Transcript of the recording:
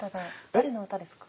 誰の歌ですか？